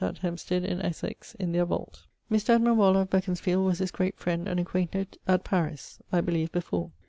at Hempsted in Essex, in their vault. Mr. Edmund Waller of Beconsfield was his great friend, and acquainted at Paris I believe before.